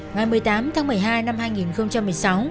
ngày một mươi tám tháng một mươi hai năm hai nghìn một mươi sáu